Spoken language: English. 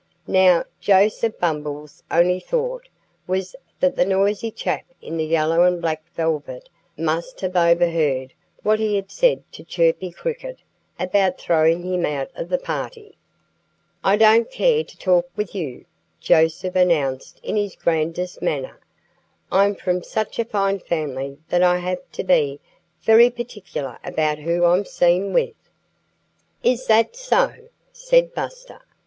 Now, Joseph Bumble's only thought was that the noisy chap in the yellow and black velvet must have overheard what he had said to Chirpy Cricket about throwing him out of the party. "I don't care to talk with you," Joseph announced in his grandest manner. "I'm from such a fine family that I have to be very particular about whom I'm seen with." "Is that so?" said Buster.